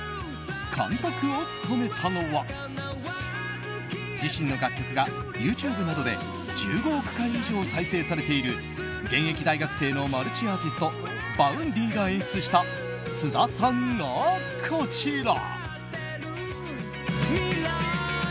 監督を務めたのは自身の楽曲がＹｏｕＴｕｂｅなどで１５億回以上再生されている現役大学生のマルチアーティストＶａｕｎｄｙが演出した菅田さんがこちら。